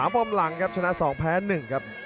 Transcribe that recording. ฟอร์มหลังครับชนะ๒แพ้๑ครับ